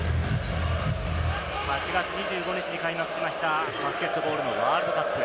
８月２５日に開幕しました、バスケットボールのワールドカップ。